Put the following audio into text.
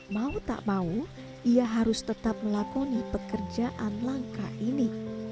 mau tak mau ia harus tetap melakoni pekerjaan langka ini